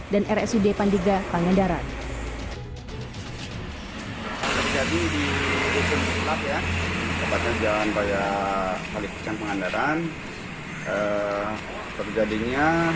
dan rsud pandiga pangandaran